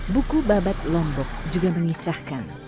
buku babat lombok juga mengisahkan